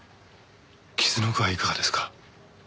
傷の具合いかがですか？